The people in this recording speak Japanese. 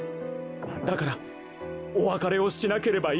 だからおわかれをしなければいけない。